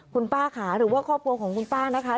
คุณป้าค่ะหรือว่าครอบครัวของคุณป้านะคะ